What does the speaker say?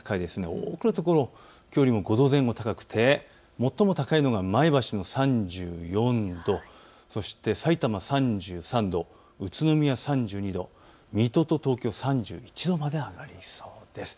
多くの所、きょうよりも５度前後高くて最も高いのが前橋の３４度、そしてさいたま３３度、宇都宮３２度、水戸と東京、３１度まで上がりそうです。